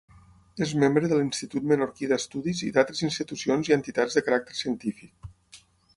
És membre de l'Institut Menorquí d'Estudis i d'altres institucions i entitats de caràcter científic.